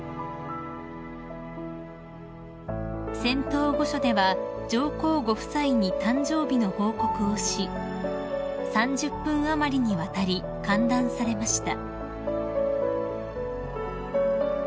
［仙洞御所では上皇ご夫妻に誕生日の報告をし３０分余りにわたり歓談されました］